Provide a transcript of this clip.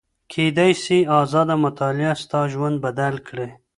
کيدای سي ازاده مطالعه ستا ژوند بدل کړي.